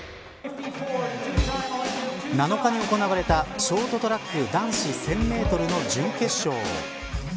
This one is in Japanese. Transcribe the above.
７日に行われたショートトラック男子１０００メートルの準決勝。